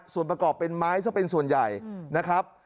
ส่วนประกอบเป็นไม้ซะเป็นส่วนใหญ่นะครับ